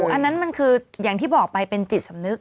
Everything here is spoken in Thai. อันนั้นมันคืออย่างที่บอกไปเป็นจิตสำนึก